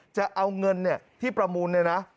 จะเอาเงินที่ประมูลเนี่ยนะ